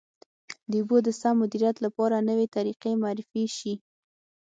د اوبو د سم مدیریت لپاره نوې طریقې معرفي شي.